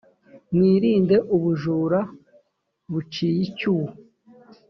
mwirinde ubujura buciyicyuho.